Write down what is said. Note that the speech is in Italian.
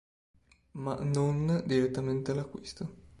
Ma "non" direttamente l'acquisto.